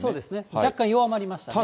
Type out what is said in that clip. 若干弱まりましたね。